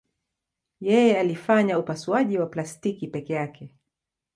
Yeye alifanya upasuaji wa plastiki peke yake.